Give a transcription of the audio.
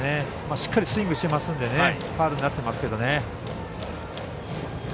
しっかりスイングしてますのでファウルになってますけど。